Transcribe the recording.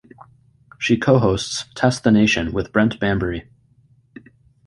She co-hosts "Test the Nation" with Brent Bambury.